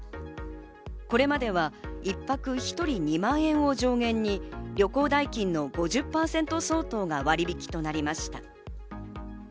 これまでは一泊１人２万円を上限に旅行代金の５０％相当が割引となりました。